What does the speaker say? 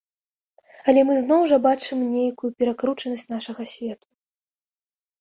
Але мы зноў жа бачым нейкую перакручанасць нашага свету.